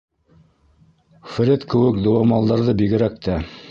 Фред кеүек дыуамалдарҙы бигерәк тә.